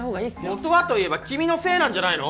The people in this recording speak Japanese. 元はと言えば君のせいなんじゃないの！